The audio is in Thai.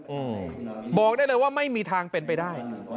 อืมบอกได้เลยว่าไม่มีทางเป็นไปได้